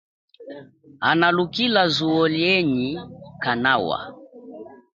Hanalulika zuwo lienyi kanawa.